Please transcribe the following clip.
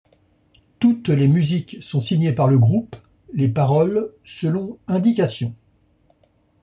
Toutes les musiques sont signées par le groupe, les paroles selon indications.